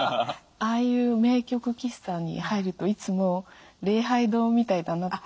ああいう名曲喫茶に入るといつも礼拝堂みたいだなって思うんですね。